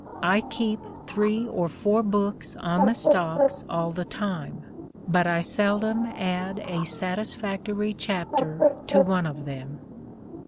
... I keep three or four books on the stocks all the time, but I seldom add a satisfactory chapter to one of them."